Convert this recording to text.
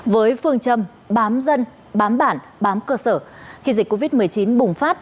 với phương châm bám dân bám bản bám cơ sở khi dịch covid một mươi chín bùng phát